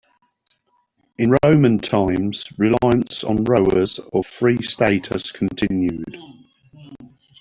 In Roman times, reliance on rowers of free status continued.